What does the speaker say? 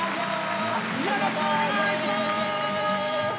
よろしくお願いします！